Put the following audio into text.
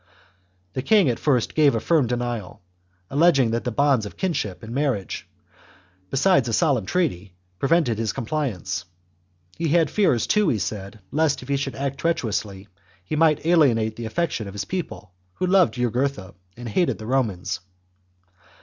The king at first gave a firm denial, alleging that the bonds of kinship and marriage, besides a solemn treaty, prevented his com pHance ; he had fears too, he said, lest if he should act treacherously, he might alienate the affection of his people, who loved Jugurtha and hated the Romans.